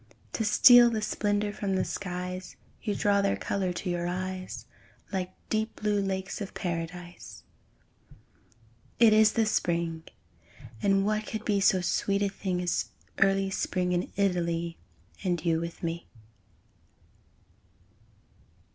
To steal the splendour from the skies, You draw their colour to your eyes, Like deep blue lakes of Paradise. It is the Spring! And what could be So sweet a thing As early Spring In Italy, And you with me!